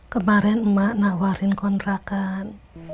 kemarin emak nawarin kontrakan